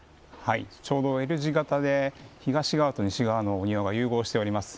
ちょうどＬ字型で東側と西側のお庭が融合しております。